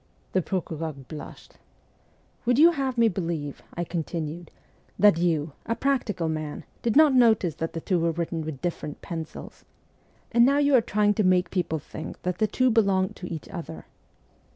The procureur blushed. 'Would you have me believe,' I continued, ' that you, a practical man, did not notice that the two are written in quite different pencils? And now you are trying to make people think that the two belong to each other